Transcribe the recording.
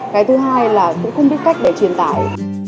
cái thứ hai là cũng không biết cách để truyền tải